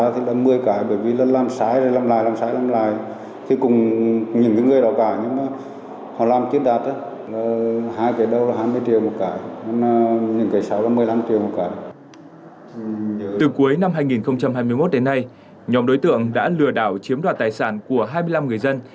từ cuối năm hai nghìn hai mươi một đến nay nhóm đối tượng đã lừa đảo chiếm đoạt tài sản của hai mươi năm người dân